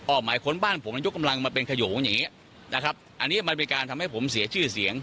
หมายค้นบ้านผมมันยกกำลังมาเป็นขยงอย่างนี้นะครับอันนี้มันเป็นการทำให้ผมเสียชื่อเสียง